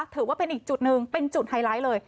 ถือว่าเป็นอีกจุดหนึ่งเป็นจุดไฮไลท์เลย